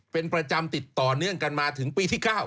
เป็นประจำติดต่อเนื่องกันมาถึงปีที่๙